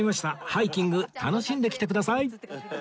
ハイキング楽しんできてください！